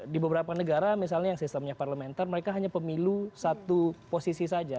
di beberapa negara misalnya yang sistemnya parlementer mereka hanya pemilu satu posisi saja